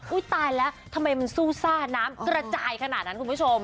ตายแล้วทำไมมันซู่ซ่าน้ำกระจายขนาดนั้นคุณผู้ชม